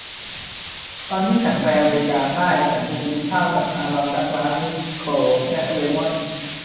ตอนที่ฉันไปอเมริกาใต้ฉันไปกินข้าวกับอารอน ดักลาส นิโคล และเรย์มอนด์